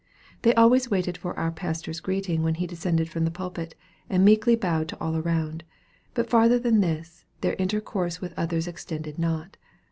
They always waited for our pastor's greeting when he descended from the pulpit, and meekly bowed to all around, but farther than this, their intercourse with others extended not.